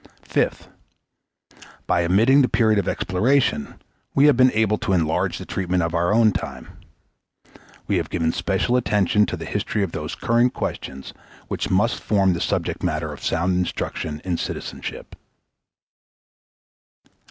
Fifth. By omitting the period of exploration, we have been able to enlarge the treatment of our own time. We have given special attention to the history of those current questions which must form the subject matter of sound instruction in citizenship.